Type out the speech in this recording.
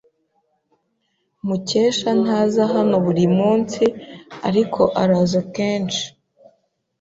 Mukesha ntaza hano buri munsi, ariko araza kenshi.